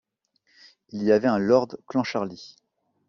Il y avait un lord Clancharlie.